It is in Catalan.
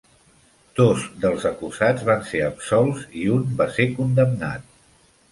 Dos dels acusats van ser absolts i un va ser condemnat.